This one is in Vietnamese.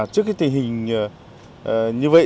thì hình như vậy